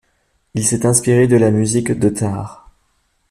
Il s’est inspiré de la musique de tar.